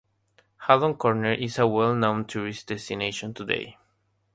Haddon Corner is a well-known tourist destination today.